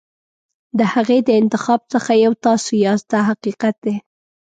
د هغې د انتخاب څخه یو تاسو یاست دا حقیقت دی.